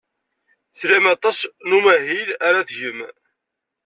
Tlam aṭas n umahil ara tgem.